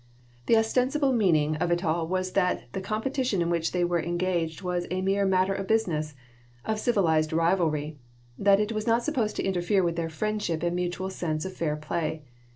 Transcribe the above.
The ostensible meaning of it all was that the competition in which they were engaged was a "mere matter of business," of civilized rivalry; that it was not supposed to interfere with their friendship and mutual sense of fair play.